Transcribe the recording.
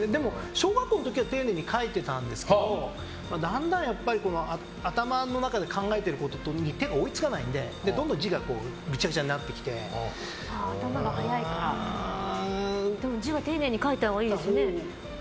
小学生の時はきれいに書いてたんですけどだんだん頭の中で考えていることに手が追い付かないので、どんどんでも字は丁寧に書いたほうがいいですよね。